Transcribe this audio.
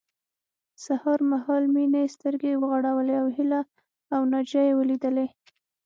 سهار مهال مينې سترګې وغړولې او هيله او ناجيه يې وليدلې